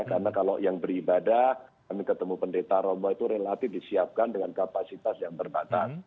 karena kalau yang beribadah kami ketemu pendeta romo itu relatif disiapkan dengan kapasitas yang bermata